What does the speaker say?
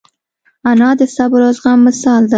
انا د صبر او زغم مثال ده